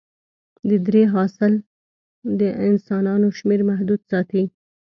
د درې حاصل د انسانانو شمېر محدود ساتي.